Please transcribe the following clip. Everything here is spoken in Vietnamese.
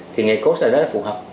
thì nghề course là rất là phù hợp